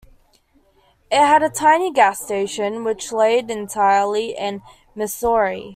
It had a tiny gas station, which laid entirely in Missouri.